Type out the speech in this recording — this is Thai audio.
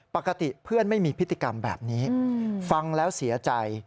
ปกติเพื่อนไม่มีพฤติกรรมแบบนี้ฟังแล้วเสียใจ